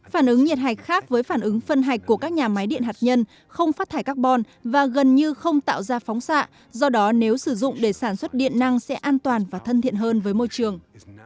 phản ứng nhiệt hạch khác với phản ứng phân hạch của các nhà máy điện hạt nhân không phát thải carbon và gần như không tạo ra phóng xạ do đó nếu sử dụng để sản xuất điện năng sẽ an toàn và thân thiện hơn với môi trường